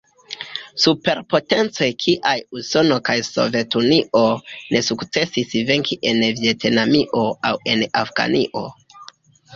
Superpotencoj kiaj Usono kaj Sovetunio ne sukcesis venki en Vjetnamio aŭ en Afganio.